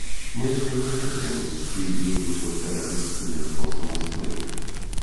Мы яшчэ не ведаем, ці дзейнічаў тэрарыст у метро самастойна.